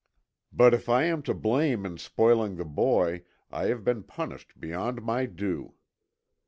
"But if I am to blame in spoiling the boy, I have been punished beyond my due.